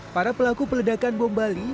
para pelaku peledakan bom bali